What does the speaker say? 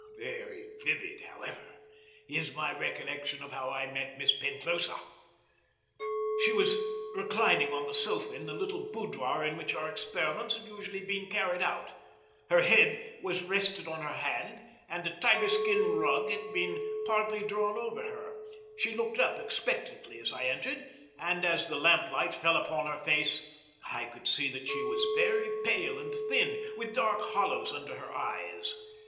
Very vivid, however, is my recollection of how I met Miss Penclosa. She was reclining on the sofa in the little boudoir in which our experiments had usually been carried out. Her head was rested on her hand, and a tiger skin rug had been partly drawn over her. She looked up expectantly as I entered, and, as the lamp light fell upon her face, I could see that she was very pale and thin, with dark hollows under her eyes.